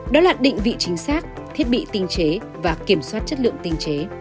đó là định vị chính xác thiết bị tinh chế và kiểm soát chất lượng tinh chế